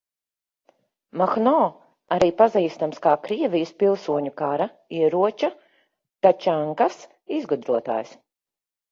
Mahno arī pazīstams kā Krievijas pilsoņu kara ieroča – tačankas izgudrotājs.